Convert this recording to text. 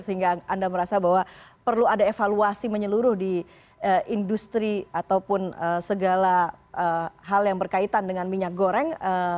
sehingga anda merasa bahwa perlu ada evaluasi menyeluruh di industri ataupun segala hal yang berkaitan dengan minyak goreng